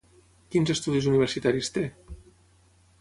Quins estudis universitaris té?